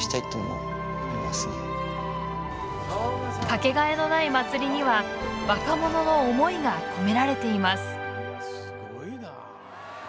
かけがえのない祭りには若者の思いが込められています。